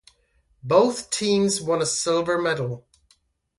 Both teams won a silver medal.